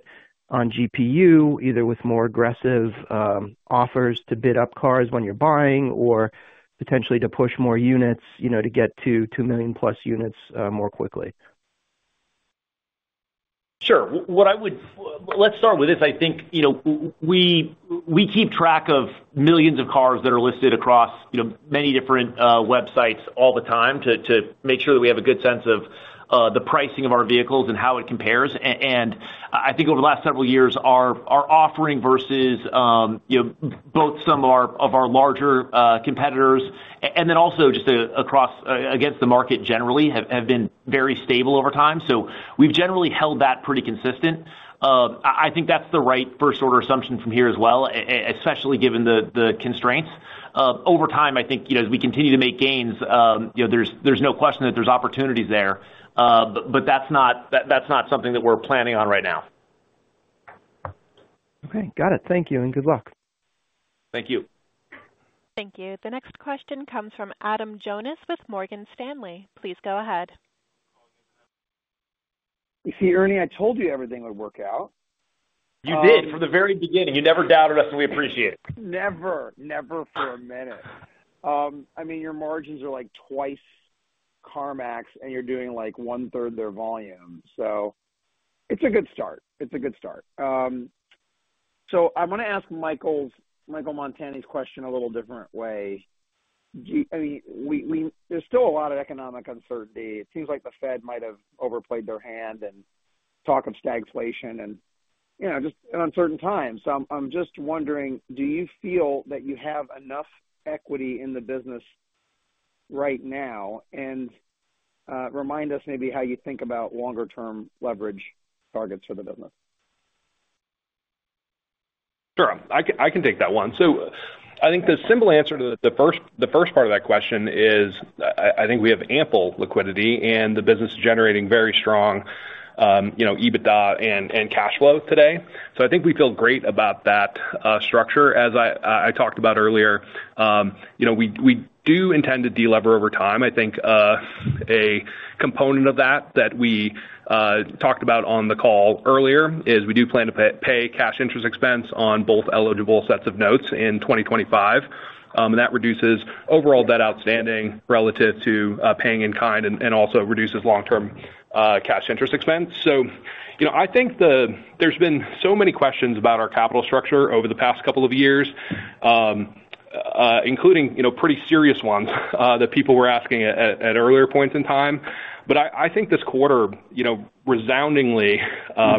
on GPU, either with more aggressive offers to bid up cars when you're buying or potentially to push more units, you know, to get to 2 million+ units more quickly. Sure. Let's start with this. I think, you know, we keep track of millions of cars that are listed across, you know, many different websites all the time, to make sure that we have a good sense of the pricing of our vehicles and how it compares. And I think over the last several years, our offering versus, you know, both some of our larger competitors and then also just across against the market generally, have been very stable over time. So we've generally held that pretty consistent. I think that's the right first order assumption from here as well, especially given the constraints. Over time, I think, you know, as we continue to make gains, you know, there's no question that there's opportunities there. But that's not something that we're planning on right now. Okay, got it. Thank you, and good luck. Thank you. Thank you. The next question comes from Adam Jonas with Morgan Stanley. Please go ahead. You see, Ernie, I told you everything would work out. You did, from the very beginning. You never doubted us, and we appreciate it. Never, never for a minute. I mean, your margins are, like, 2x CarMax, and you're doing, like, 1/3 their volume, so it's a good start. It's a good start. So I want to ask Michael's- Michael Montani's question a little different way. Do... I mean, we, we-- There's still a lot of economic uncertainty. It seems like the Fed might have overplayed their hand and talk of stagflation and, you know, just uncertain times. So I'm, I'm just wondering, do you feel that you have enough equity in the business right now? And, remind us maybe how you think about longer term leverage targets for the business. Sure. I can, I can take that one. So, I think the simple answer to the first part of that question is, I think we have ample liquidity, and the business is generating very strong, you know, EBITDA and cash flow today. So I think we feel great about that structure. As I talked about earlier, you know, we do intend to delever over time. I think a component of that that we talked about on the call earlier is we do plan to pay cash interest expense on both eligible sets of notes in 2025. And that reduces overall debt outstanding relative to paying in kind and also reduces long-term cash interest expense. So, you know, I think there's been so many questions about our capital structure over the past couple of years, including, you know, pretty serious ones, that people were asking at earlier points in time. But I think this quarter, you know, resoundingly,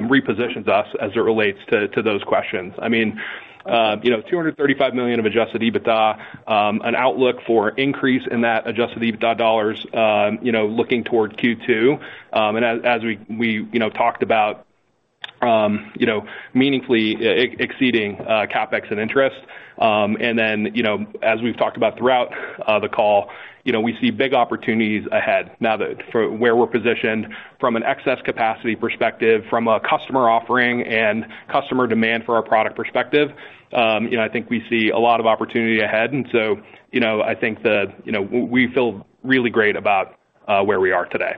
repositions us as it relates to those questions. I mean, you know, $235 million of Adjusted EBITDA, an outlook for increase in that Adjusted EBITDA dollars, you know, looking toward Q2. And as we, you know, talked about, you know, meaningfully exceeding CapEx and interest. And then, you know, as we've talked about throughout the call, you know, we see big opportunities ahead now that for where we're positioned from an excess capacity perspective, from a customer offering and customer demand for our product perspective, you know, I think we see a lot of opportunity ahead. And so, you know, I think the, you know, we feel really great about where we are today.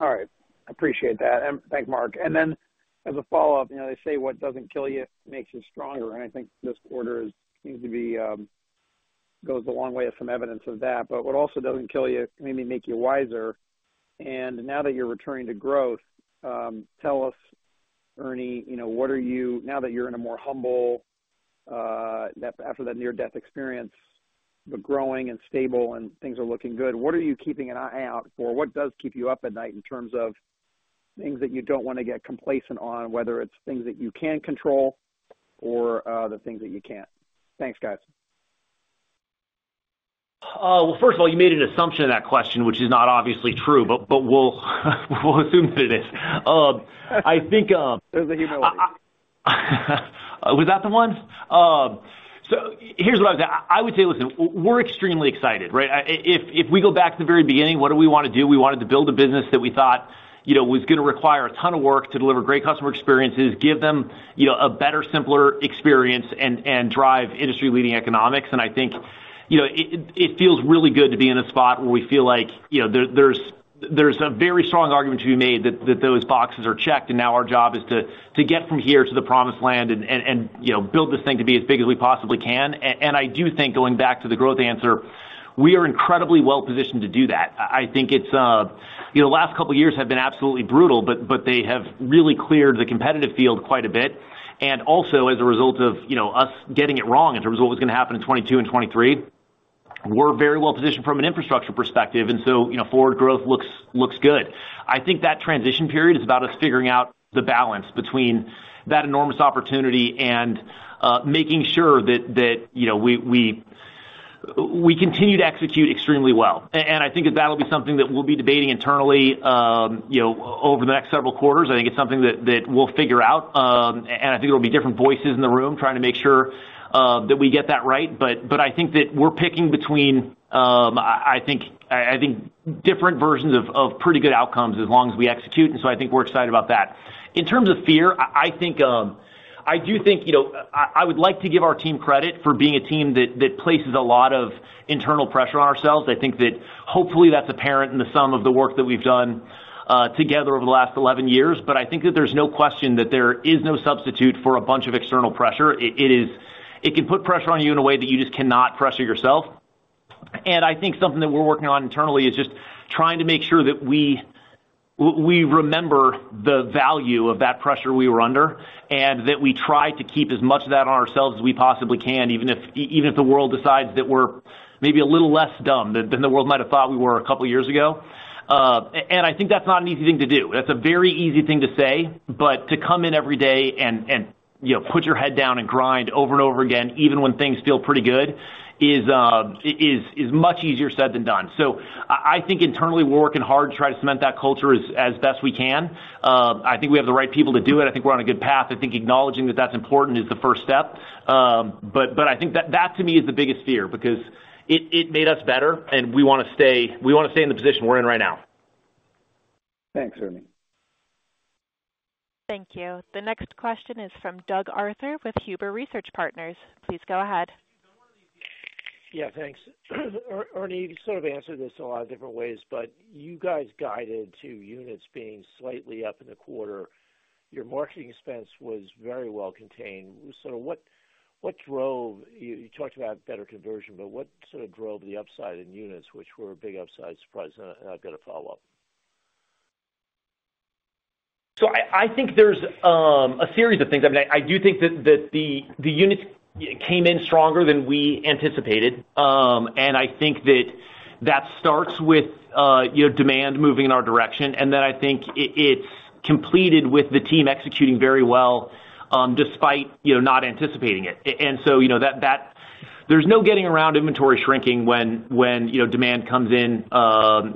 All right. Appreciate that, and thanks, Mark. And then as a follow-up, you know, they say what doesn't kill you makes you stronger, and I think this quarter is, seems to be, goes a long way of some evidence of that. But what also doesn't kill you, maybe make you wiser. And now that you're returning to growth, tell us, Ernie, you know, what are you—now that you're in a more humble, after that near-death experience, but growing and stable and things are looking good, what are you keeping an eye out for? What does keep you up at night in terms of things that you don't wanna get complacent on, whether it's things that you can control or, the things that you can't? Thanks, guys. Well, first of all, you made an assumption in that question, which is not obviously true, but we'll assume that it is. I think, There's a humility. Was that the one? So here's what I would say. I would say, listen, we're extremely excited, right? If, if we go back to the very beginning, what do we wanna do? We wanted to build a business that we thought, you know, was gonna require a ton of work to deliver great customer experiences, give them, you know, a better, simpler experience and drive industry-leading economics. And I think, you know, it feels really good to be in a spot where we feel like, you know, there's a very strong argument to be made that those boxes are checked, and now our job is to get from here to the promised land and, you know, build this thing to be as big as we possibly can. And I do think, going back to the growth answer, we are incredibly well positioned to do that. I think it's. You know, last couple of years have been absolutely brutal, but they have really cleared the competitive field quite a bit. And also, as a result of, you know, us getting it wrong in terms of what was gonna happen in 2022 and 2023, we're very well positioned from an infrastructure perspective, and so, you know, forward growth looks good. I think that transition period is about us figuring out the balance between that enormous opportunity and making sure that, you know, we continue to execute extremely well. And I think that that'll be something that we'll be debating internally, you know, over the next several quarters. I think it's something that we'll figure out, and I think there'll be different voices in the room trying to make sure that we get that right. But I think that we're picking between different versions of pretty good outcomes as long as we execute, and so I think we're excited about that. In terms of fear, I think I do think, you know, I would like to give our team credit for being a team that places a lot of internal pressure on ourselves. I think that hopefully that's apparent in the sum of the work that we've done together over the last 11 years. But I think that there's no question that there is no substitute for a bunch of external pressure. It can put pressure on you in a way that you just cannot pressure yourself. And I think something that we're working on internally is just trying to make sure that we remember the value of that pressure we were under, and that we try to keep as much of that on ourselves as we possibly can, even if even if the world decides that we're maybe a little less dumb than the world might have thought we were a couple of years ago. And I think that's not an easy thing to do. That's a very easy thing to say, but to come in every day and you know, put your head down and grind over and over again, even when things feel pretty good, is much easier said than done. So I think internally, we're working hard to try to cement that culture as best we can. I think we have the right people to do it. I think we're on a good path. I think acknowledging that that's important is the first step. But I think that to me is the biggest fear, because it made us better, and we wanna stay, we wanna stay in the position we're in right now. Thanks, Ernie. Thank you. The next question is from Doug Arthur with Huber Research Partners. Please go ahead. Yeah, thanks. Ernie, you sort of answered this a lot of different ways, but you guys guided to units being slightly up in the quarter. Your marketing expense was very well contained. So what, what drove... You, you talked about better conversion, but what sort of drove the upside in units, which were a big upside surprise? And I, I've got a follow-up. So I think there's a series of things. I mean, I do think that the units came in stronger than we anticipated. And I think that starts with you know, demand moving in our direction, and then I think it's completed with the team executing very well, despite you know, not anticipating it. And so you know, that. There's no getting around inventory shrinking when you know, demand comes in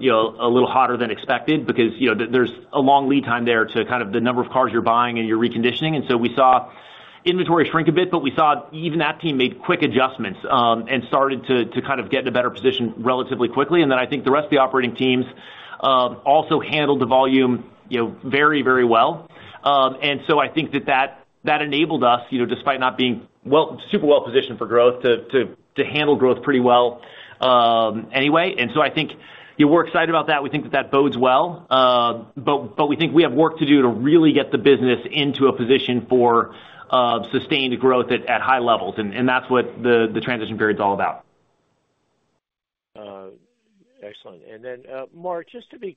you know, a little hotter than expected, because you know, there's a long lead time there to kind of the number of cars you're buying and you're reconditioning. And so we saw inventory shrink a bit, but we saw even that team made quick adjustments and started to kind of get in a better position relatively quickly. Then I think the rest of the operating teams also handled the volume, you know, very, very well. So I think that enabled us, you know, despite not being super well positioned for growth, to handle growth pretty well, anyway. So I think, yeah, we're excited about that. We think that that bodes well. But we think we have work to do to really get the business into a position for sustained growth at high levels, and that's what the transition period is all about. Excellent. And then, Mark, just to be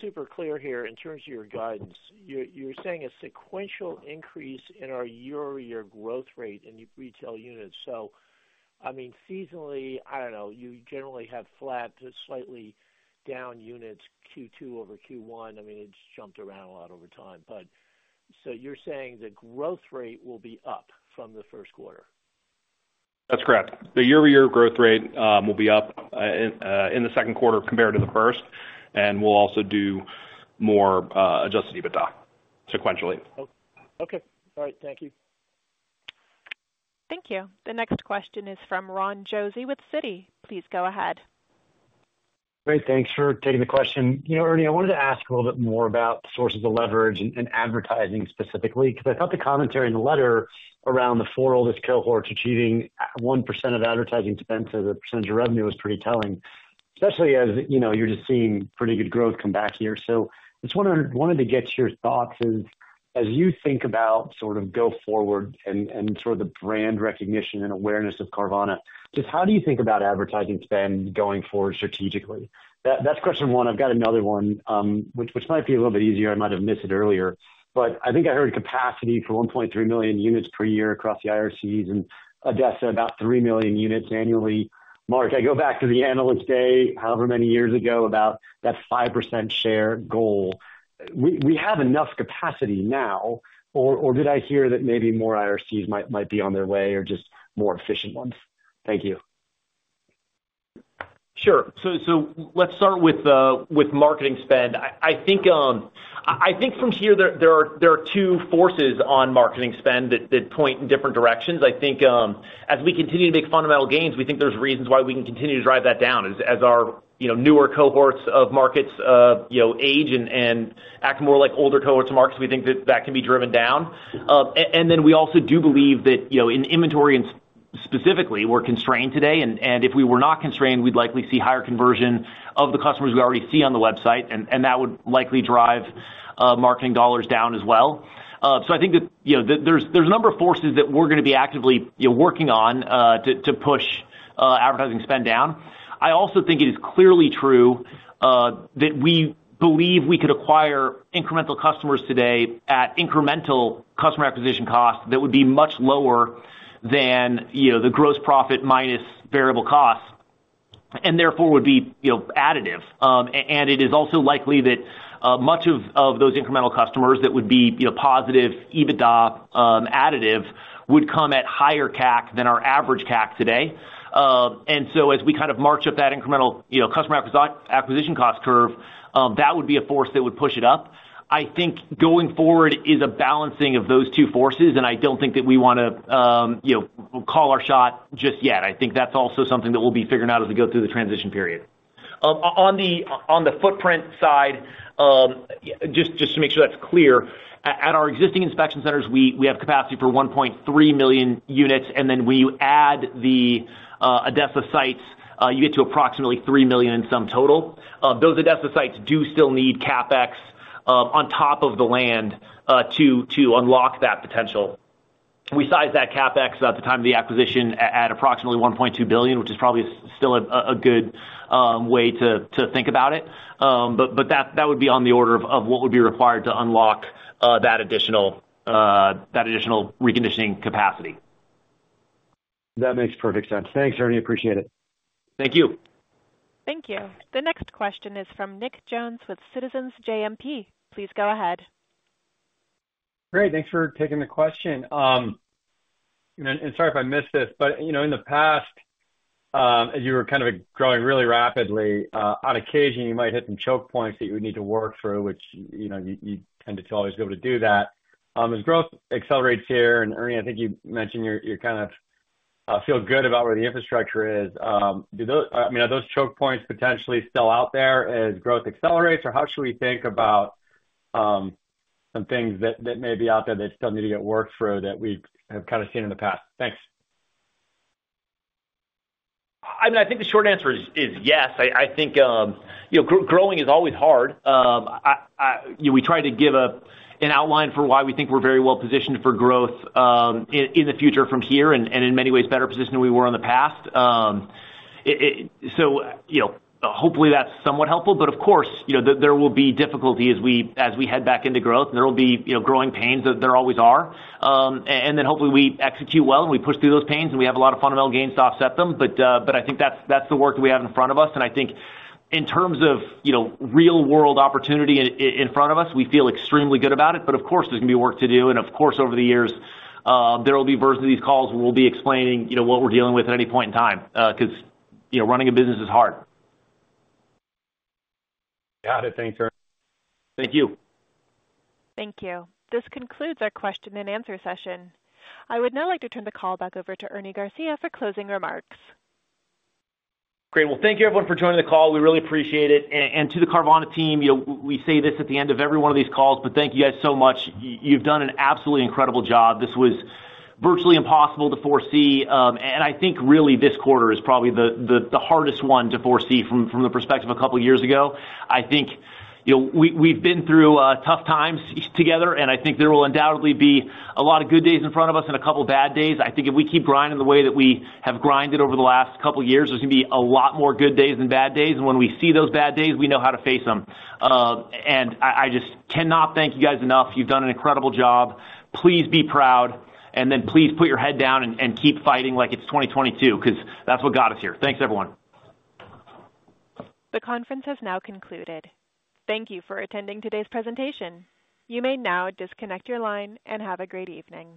super clear here, in terms of your guidance, you're, you're saying a sequential increase in our year-over-year growth rate in retail units. So, I mean, seasonally, I don't know, you generally have flat to slightly down units, Q2 over Q1. I mean, it's jumped around a lot over time, but so you're saying the growth rate will be up from the first quarter? That's correct. The year-over-year growth rate will be up in the second quarter compared to the first, and we'll also do more Adjusted EBITDA sequentially. Okay. All right. Thank you. Thank you. The next question is from Ron Josey with Citi. Please go ahead. Great, thanks for taking the question. You know, Ernie, I wanted to ask a little bit more about the sources of leverage and advertising specifically, because I thought the commentary in the letter around the four oldest cohorts achieving 1% of advertising spend as a percentage of revenue was pretty telling, especially as, you know, you're just seeing pretty good growth come back here. So I just wanted to get your thoughts as you think about sort of go forward and sort of the brand recognition and awareness of Carvana. Just how do you think about advertising spend going forward strategically? That's question one. I've got another one, which might be a little bit easier. I might have missed it earlier, but I think I heard capacity for 1.3 million units per year across the IRCs and ADESA, about 3 million units annually. Mark, I go back to the Analyst Day, however many years ago, about that 5% share goal. We, we have enough capacity now, or, or did I hear that maybe more IRCs might, might be on their way or just more efficient ones? Thank you. Sure. So let's start with marketing spend. I think from here, there are two forces on marketing spend that point in different directions. I think, as we continue to make fundamental gains, we think there's reasons why we can continue to drive that down. As our, you know, newer cohorts of markets, you know, age and act more like older cohorts markets, we think that can be driven down. And then we also do believe that, you know, in inventory and specifically, we're constrained today, and if we were not constrained, we'd likely see higher conversion of the customers we already see on the website, and that would likely drive marketing dollars down as well. So I think that, you know, there's a number of forces that we're gonna be actively, you know, working on, to push advertising spend down. I also think it is clearly true, that we believe we could acquire incremental customers today at incremental customer acquisition costs that would be much lower than, you know, the gross profit minus variable costs, and therefore would be, you know, additive. And it is also likely that, much of those incremental customers that would be, you know, positive EBITDA additive, would come at higher CAC than our average CAC today. And so as we kind of march up that incremental, you know, customer acquisition cost curve, that would be a force that would push it up. I think going forward is a balancing of those two forces, and I don't think that we wanna, you know, call our shot just yet. I think that's also something that we'll be figuring out as we go through the transition period. On the footprint side, just to make sure that's clear, at our existing inspection centers, we have capacity for 1.3 million units, and then we add the ADESA sites, you get to approximately 3 million in sum total. Those ADESA sites do still need CapEx, on top of the land, to unlock that potential. We sized that CapEx at the time of the acquisition at approximately $1.2 billion, which is probably still a good way to think about it. But that would be on the order of what would be required to unlock that additional reconditioning capacity. That makes perfect sense. Thanks, Ernie. Appreciate it. Thank you. Thank you. The next question is from Nick Jones with Citizens JMP. Please go ahead. Great, thanks for taking the question. And sorry if I missed this, but, you know, in the past, as you were kind of growing really rapidly, on occasion, you might hit some choke points that you would need to work through, which, you know, you tend to always be able to do that. As growth accelerates here, and Ernie, I think you mentioned you kind of feel good about where the infrastructure is. Do those, I mean, are those choke points potentially still out there as growth accelerates? Or how should we think about some things that may be out there that still need to get worked through that we have kind of seen in the past? Thanks. I mean, I think the short answer is yes. I think you know, growing is always hard. You know, we tried to give an outline for why we think we're very well positioned for growth in the future from here, and in many ways, better positioned than we were in the past. So, you know, hopefully, that's somewhat helpful, but of course, you know, there will be difficulty as we head back into growth, and there will be growing pains, there always are. And then hopefully, we execute well, and we push through those pains, and we have a lot of fundamental gains to offset them. But I think that's the work we have in front of us, and I think in terms of, you know, real-world opportunity in front of us, we feel extremely good about it. But of course, there's gonna be work to do, and of course, over the years, there will be versions of these calls, and we'll be explaining, you know, what we're dealing with at any point in time, because, you know, running a business is hard. Got it. Thanks, Ernie. Thank you. Thank you. This concludes our question and answer session. I would now like to turn the call back over to Ernie Garcia for closing remarks. Great. Well, thank you, everyone, for joining the call. We really appreciate it. And to the Carvana team, you know, we say this at the end of every one of these calls, but thank you guys so much. You've done an absolutely incredible job. This was virtually impossible to foresee, and I think really this quarter is probably the hardest one to foresee from the perspective of a couple of years ago. I think, you know, we, we've been through tough times together, and I think there will undoubtedly be a lot of good days in front of us and a couple of bad days. I think if we keep grinding the way that we have grinded over the last couple of years, there's gonna be a lot more good days than bad days. And when we see those bad days, we know how to face them. And I just cannot thank you guys enough. You've done an incredible job. Please be proud, and then please put your head down and keep fighting like it's 2022, because that's what got us here. Thanks, everyone. The conference has now concluded. Thank you for attending today's presentation. You may now disconnect your line and have a great evening.